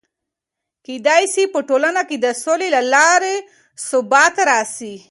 کېدای سي په ټولنه کې د سولې له لارې ثبات راسي.